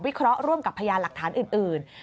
เคราะห์ร่วมกับพยานหลักฐานอื่น